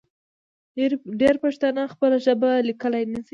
ډېری پښتانه خپله ژبه لیکلی نشي.